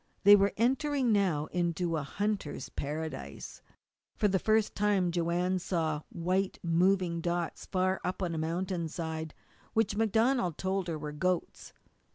They were entering now into a hunter's paradise. For the first time Joanne saw white, moving dots far up on a mountain side, which MacDonald told her were goats.